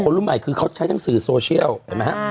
รุ่นใหม่คือเขาใช้ทั้งสื่อโซเชียลเห็นไหมฮะ